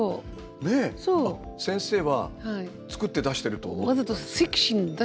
先生は作って出してると？